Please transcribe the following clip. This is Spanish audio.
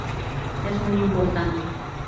Es muy importante.